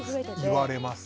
言われます。